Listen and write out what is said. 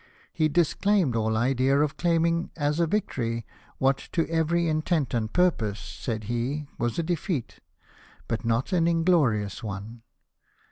He disclaimed all idea of claim ing as a victory " what, to every intent and purpose," said he, " was a defeat — but not an inglorious one.